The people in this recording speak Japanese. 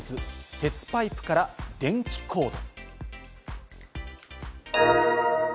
鉄パイプから電気コード。